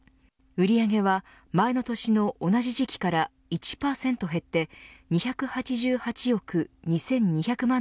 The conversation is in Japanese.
売り上げは前の年の同じ時期から１％減って２８８億２２００万